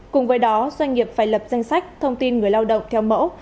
cùng với đó doanh nghiệp phải lập danh sách thông tin người lao động theo mẫu